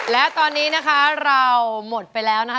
และตอนนี้นะคะเราหมดไปแล้วนะคะ